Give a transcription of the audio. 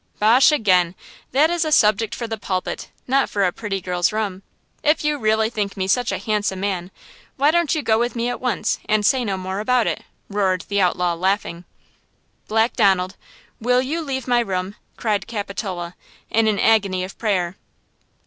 "Bosh again! That is a subject for the pulpit, not for a pretty girl's room. If you really think me such a handsome man, why don't you go with me at once and say no more about it," roared the outlaw laughing. "Black Donald–will you leave my room?" cried Capitola, in an agony of prayer.